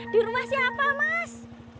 di rumah siapa mas